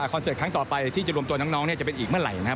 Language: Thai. เสิร์ตครั้งต่อไปที่จะรวมตัวน้องเนี่ยจะเป็นอีกเมื่อไหร่นะครับ